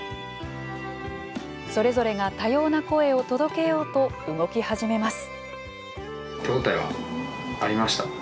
それぞれが多様な声を届けようと動き始めます。